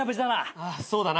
ああそうだな。